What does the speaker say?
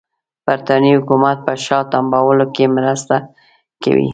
برټانیې حکومت به په شا تمبولو کې مرسته کوي.